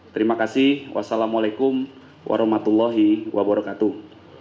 terima kasih wassalamualaikum warahmatullahi wabarakatuh